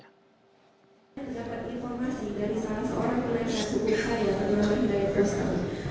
saya mendapat informasi dari salah seorang penelitian kurs saya